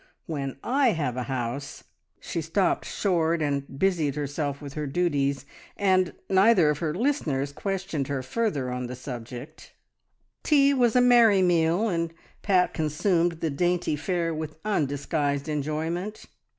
When I have a house " She stopped short and busied herself with her duties, and neither of her listeners questioned her further on the subject. Tea was a merry meal, and Pat consumed the dainty fare with undisguised enjoyment.